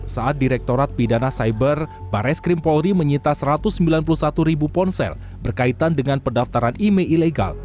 saat direktorat bidana cyber bares krimpolri menyita satu ratus sembilan puluh satu ribu ponsel berkaitan dengan pendaftaran email ilegal